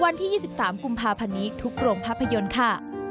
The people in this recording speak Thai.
วันที่๒๓กุมภาพันธ์นี้ทุกโรงภาพยนตร์ค่ะ